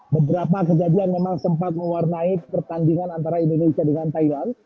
beberapa kejadian memang sempat mewarnai pertandingan antara indonesia dengan thailand